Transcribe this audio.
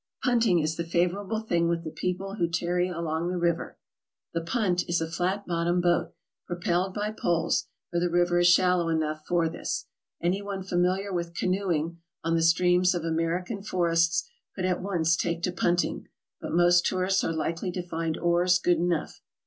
Punting is the favorite thing with the people who tarry . along the river. The punt is a flat bottomed boat propelled by poles, for the river is shallow enough for this. Anyone familiar with canoeing on the streams of American forests could at once take to punting, but most tourists are likely to find oars good enough.